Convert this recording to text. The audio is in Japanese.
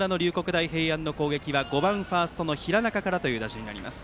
大平安の攻撃は５番ファーストの平中からという打順になります。